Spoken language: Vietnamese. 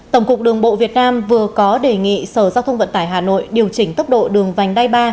tổng cục đường bộ việt nam vừa có đề nghị sở giao thông vận tải hà nội điều chỉnh tốc độ đường vành đai ba